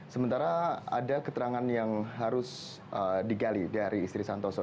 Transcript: sementara ada keterangan yang harus digali dari istri santoso